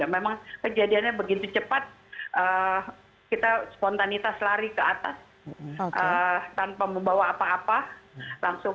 memang kejadiannya begitu cepat kita spontanitas lari ke atas tanpa membawa apa apa langsung